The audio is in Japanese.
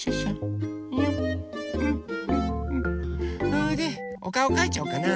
それでおかおかいちゃおうかな。